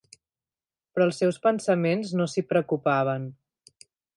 Però els seus pensaments no s'hi preocupaven.